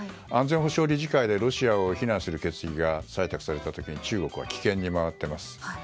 安全保障理事会でロシアを非難する決議が採択された時に中国は棄権に回っています。